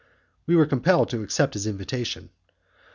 We were compelled to accept his invitation.